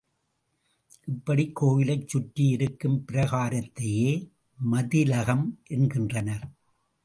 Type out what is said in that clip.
இப்படி கோயிலைச் சுற்றி இருக்கும் பிராகாரத்தையே மதிலகம் என்கின்றனர்.